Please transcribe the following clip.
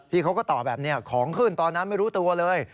เขาก็ตอบแบบนี้ของขึ้นตอนนั้นไม่รู้ตัวเลย